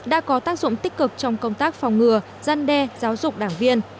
đã có tác dụng tích cực trong công tác phòng ngừa gian đe giáo dục đảng viên